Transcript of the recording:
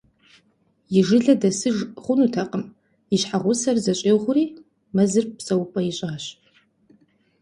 И жылэ дэсыж хъунутэкъыми, и щхьэгъусэр зыщӏигъури, мэзыр псэупӏэ ищӏащ.